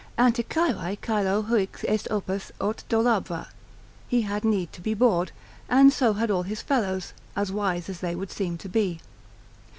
Anticyrae caelo huic est opus aut dolabra, he had need to be bored, and so had all his fellows, as wise as they would seem to be.